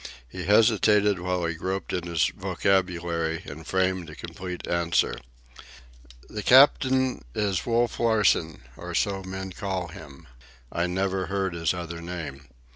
He hesitated while he groped in his vocabulary and framed a complete answer. "The cap'n is Wolf Larsen, or so men call him. I never heard his other name.